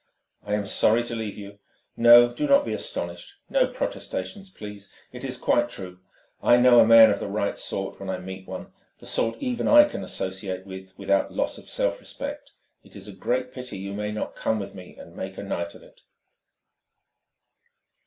"I am sorry to leave you. No, do not be astonished! No protestations, please! It is quite true. I know a man of the right sort when I meet one, the sort even I can associate with without loss of self respect. It is a great pity you may not come with me and make a night of it."